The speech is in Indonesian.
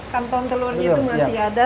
kantong telurnya itu masih ada